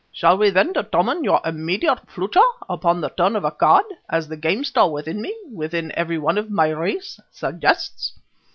Shall we then determine your immediate future upon the turn of a card, as the gamester within me, within every one of my race, suggests?